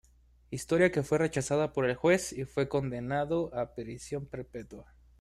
Historia que fue rechazada por el juez y fue condenado a prisión perpetua.